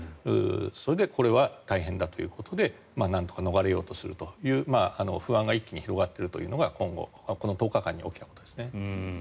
それでこれは大変だということでなんとか逃れようとする不安というのが一気に広がるというのがこの１０日間に起きたことですね。